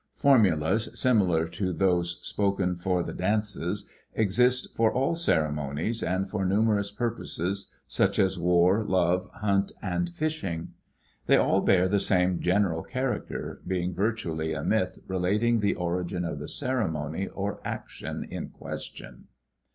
Formulas similar to those spoken for the dances exist for all ceremonies and for numerous purposes such as war, love, hunt, and fishing. They all bear the same general character, being virtually a myth relating the origin of the ceremony or action in question.